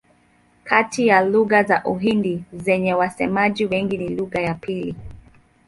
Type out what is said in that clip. Kati ya lugha za Uhindi zenye wasemaji wengi ni lugha ya pili.